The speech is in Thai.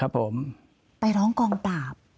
ผมไปร้องกองปราบ